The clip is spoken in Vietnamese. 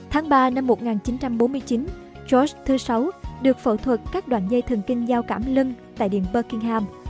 tháng ba năm một nghìn chín trăm bốn mươi chín george vi được phẫu thuật các đoạn dây thần kinh giao cảm lưng tại điện buckingham